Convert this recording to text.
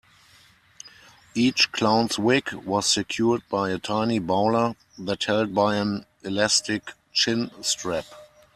Each clown's wig was secured by a tiny bowler hat held by an elastic chin-strap.